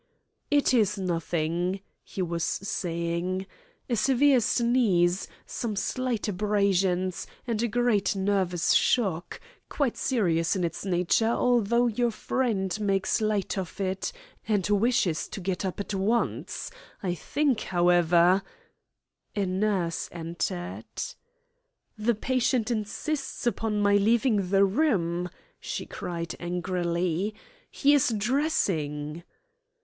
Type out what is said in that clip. "It is nothing," he was saying, "a severe squeeze, some slight abrasions, and a great nervous shock, quite serious in its nature, although your friend makes light of it, and wishes to get up at once. I think, however " A nurse entered. "The patient insists upon my leaving the room," she cried angrily. "He is dressing."